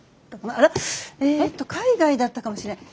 あらっえっと海外だったかもしれない。